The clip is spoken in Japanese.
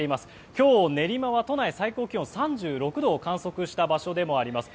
今日、練馬は都内最高気温３６度を観測した場所でもあります。